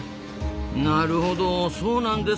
なるほどそうなんですか。